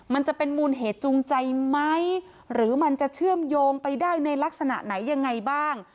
มันจะเป็นมูลเหตุจูงใจไหมหรือมันจะเชื่อมโยงไปได้ในลักษณะไหนยังไงบ้าง